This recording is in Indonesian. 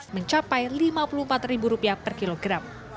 mencapai rp lima puluh empat per kilogram